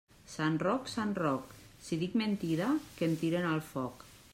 Sant Roc, sant Roc, si dic mentida que em tiren al foc.